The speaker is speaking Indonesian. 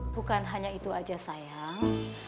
bukan hanya itu saja sayang